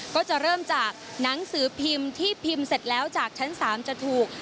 ก็จะเริ่มจากหนังสือพิมพ์ที่พิมพ์เสร็จแล้วจากชั้น๓จะถูก